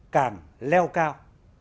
càng leo cao